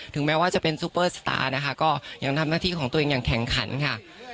แม้ว่าจะเป็นซูเปอร์สตาร์นะคะก็ยังทำหน้าที่ของตัวเองอย่างแข่งขันค่ะ